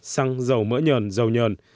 xăng dầu mỡ nhờn dầu nhờn